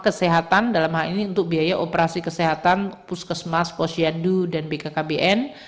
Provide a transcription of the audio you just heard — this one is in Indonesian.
kesehatan dalam hal ini untuk biaya operasi kesehatan puskesmas posyandu dan bkkbn